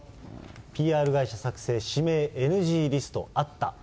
ＰＲ会社作成、指名ＮＧリストあった。